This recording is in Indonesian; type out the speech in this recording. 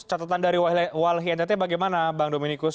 catatan dari walhi ntt bagaimana bang dominikus